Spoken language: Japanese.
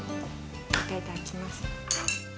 いただきます。